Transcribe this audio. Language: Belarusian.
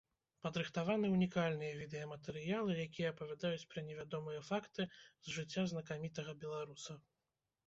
Падрыхтаваны ўнікальныя відэаматэрыялы, якія апавядаюць пра невядомыя факты з жыцця знакамітага беларуса.